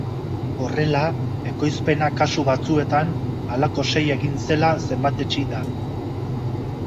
Horrela, ekoizpena kasu batzuetan halako sei egin zela zenbatetsi da.